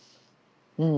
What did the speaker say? うん。